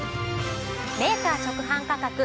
メーカー直販価格